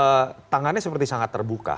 karena tangannya seperti sangat terbuka